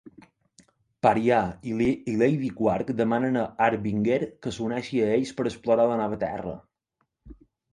Pariah i Lady Quark demanen a Harbinger que s'uneixi a ells per explorar la nova terra.